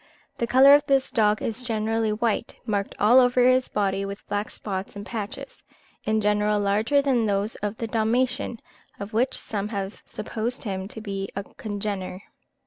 The colour of this dog is generally white, marked all over his body with black spots and patches, in general larger than those of the Dalmatian, of which some have supposed him to be a congener.